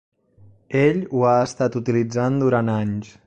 Ell ho ha estat utilitzant durant anys.